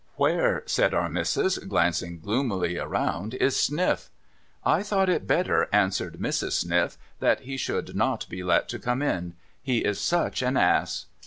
'Where,' said Our Missis, glancing gloomily around, 'is Sniff?' ' I thought it better,' answered Mrs. Sniff, ' that he should not be let to come in. He is such an Ass.'